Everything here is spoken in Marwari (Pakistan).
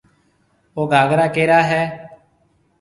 او گھاگرا ڪَيرا هيَ؟